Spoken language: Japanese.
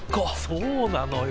そうなのよ。